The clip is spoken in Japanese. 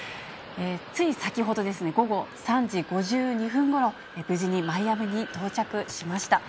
つい先ほどですね、午後３時５２分ごろ、無事にマイアミに到着しました。